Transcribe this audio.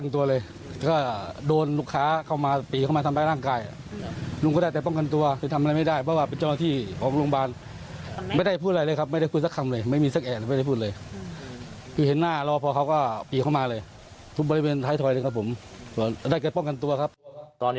ตอนนี้รบพก็ไปแจ้งความที่สนปรักษณ์เรียบร้อย